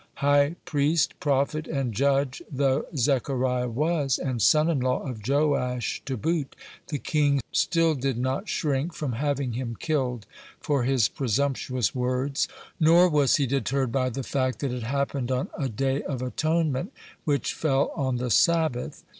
(13) High priest, prophet, and judge though Zechariah was, and son in law of Joash to boot, the king still did not shrink from having him killed for his presumptuous words, not was he deterred by the fact that it happened on a Day of Atonement which fell on the Sabbath.